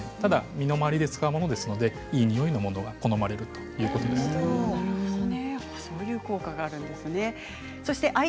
身の周りで使うものですからいい匂いのものが好まれるということですね。